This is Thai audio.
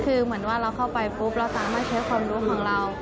คือเหมือนว่าเราเข้าไปปุ๊บเราสามารถใช้ความรู้ของเรา